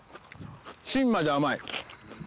芯まで甘い。